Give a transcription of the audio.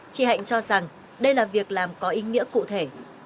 chị hạnh cho rằng đây là việc làm có ý nghĩa cụ thể